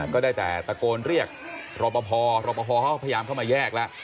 ก็ได้แต่ตะโกนเรียกรบพอรบพอเขาก็พยายามเข้ามาแยกละ